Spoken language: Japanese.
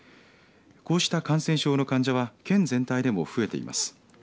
こうした感染症の患者は県全体でも増えています。